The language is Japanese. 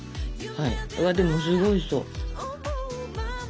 うわっでもすごいおいしそう。